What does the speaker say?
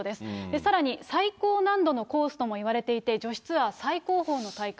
さらに最高難度のコースともいわれていて、女子ツアー最高峰の大会。